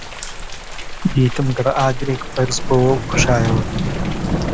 دیتم گڕەئاگرێک بەرز بۆوە و کوژایەوە